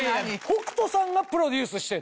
北斗さんがプロデュースしてんの？